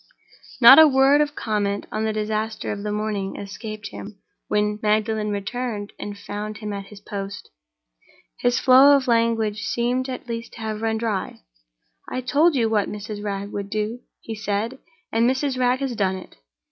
Not a word of comment on the disaster of the morning escaped him when Magdalen returned and found him at his post. His flow of language seemed at last to have run dry. "I told you what Mrs. Wragge would do," he said, "and Mrs. Wragge has done it."